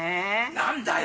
何だよ。